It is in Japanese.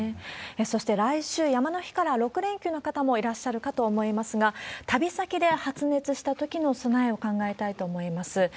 そして来週、山の日から６連休の方もいらっしゃるかと思いますが、旅先で発熱したときの備えを考えたいと思います。